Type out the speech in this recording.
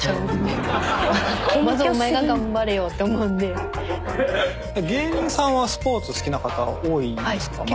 えっ芸人さんはスポーツ好きな方多いんですか？